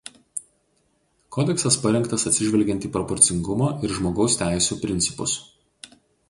Kodeksas parengtas atsižvelgiant į proporcingumo ir žmogaus teisių principus.